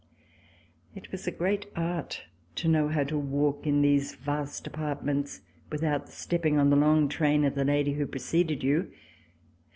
It was a great art to know how to walk in these vast appartements without stepping on the long train of the lady who preceded you.